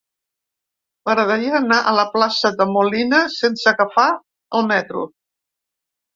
M'agradaria anar a la plaça de Molina sense agafar el metro.